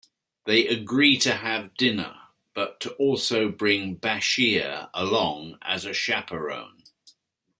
They agree to have dinner, but to also bring Bashir along as a chaperone.